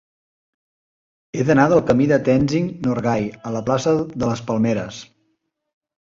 He d'anar del camí de Tenzing Norgay a la plaça de les Palmeres.